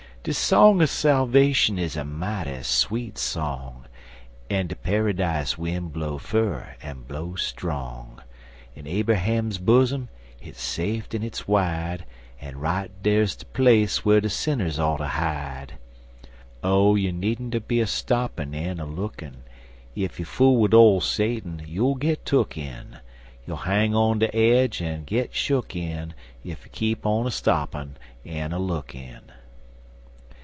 De song er salvashun is a mighty sweet song, En de Pairidise win' blow fur en blow strong, En Aberham's bosom, hit's saft en hit's wide, En right dar's de place whar de sinners oughter hide! Oh, you nee'nter be a stoppin' en a lookin'; Ef you fool wid ole Satun you'll git took in; You'll hang on de aidge en get shook in, Ef you keep on a stoppin' en a lookin'.